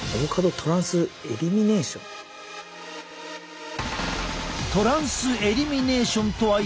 トランスエリミネーションとは一体？